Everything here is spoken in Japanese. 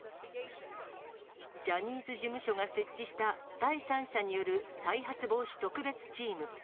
ジャニーズ事務所が設置した第三者による再発防止特別チーム。